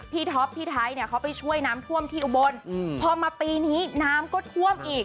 ท็อปพี่ไทยเนี่ยเขาไปช่วยน้ำท่วมที่อุบลพอมาปีนี้น้ำก็ท่วมอีก